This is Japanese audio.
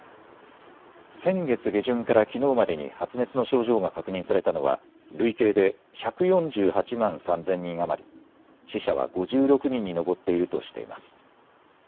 先月下旬からきのうまでに発熱の症状が確認されたのは累計で１４８万３０００人余り、死者は５６人に上っているとしています。